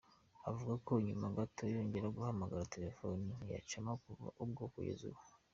Avuga ko nyuma gato yongeye guhamagara telephone ntiyacamo kuva ubwo kugeza ubu.